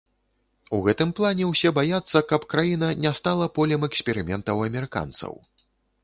У гэтым плане ўсе баяцца, каб краіна не стала полем эксперыментаў амерыканцаў.